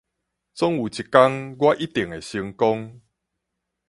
總有一工，我一定會成功